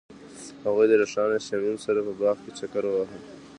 هغوی د روښانه شمیم سره په باغ کې چکر وواهه.